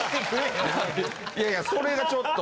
いやいやそれがちょっと。